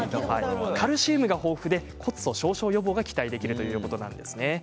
カルシウムが豊富で骨粗しょう症予防が期待できるということです。